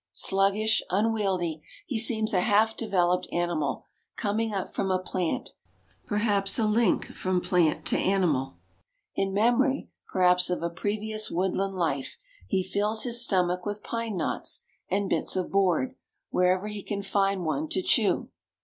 Sluggish, unwieldy, he seems a half developed animal, coming up from a plant, perhaps a link from plant to animal. In memory, perhaps, of a previous woodland life, he fills his stomach with pine knots, and bits of board, wherever he can find one to chew.